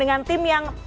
dengan tim yang luar biasa